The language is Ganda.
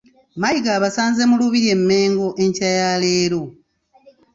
Mayiga abasanze mu Lubiri e Mmengo enkya ya leero